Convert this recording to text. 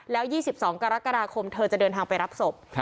แล้ว๒๒กรกฎาคมเธอจะเดินทางไปรับศพ